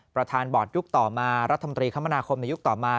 ประธานบอร์ดยุคต่อมารัฐมนตรีคมนาคมในยุคต่อมา